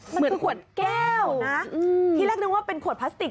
มันคือขวดแก้วนะที่แรกนึกว่าเป็นขวดพลาสติก